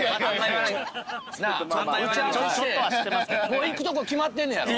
もう行くとこ決まってんねやろ？